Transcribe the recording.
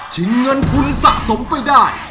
เงินทุนสะสมไปได้